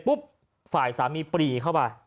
ฝ่ายสามีปรีเข้าไป